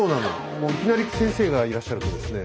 もういきなり先生がいらっしゃるとですね